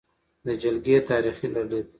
د جلکې تاریخې لرلید: